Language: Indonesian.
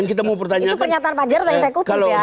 itu pernyataan pak jarad yang saya kutip ya